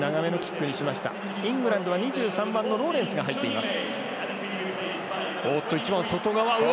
イングランドは２３番のローレンスが入っています。